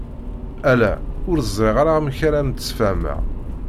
Ala! Ur ẓriɣ ara akk amek ara ad am-d-sfahmeɣ.